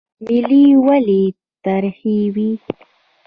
ملی ولې تریخ وي؟